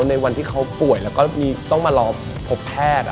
ในวันที่เขาป่วยแล้วก็ต้องมารอพบแพทย์